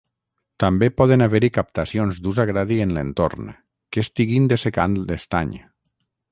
També poden haver-hi captacions d'ús agrari en l'entorn, que estiguin dessecant l'estany.